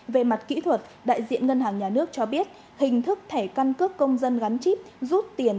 về mặt kỹ thuật đại diện ngân hàng nhà nước cho biết hình thức thẻ căn cước công dân gắn chip rút tiền